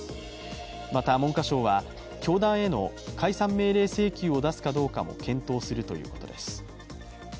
また文科省は教団への解散命令請求を出すかどうかも検討するということです。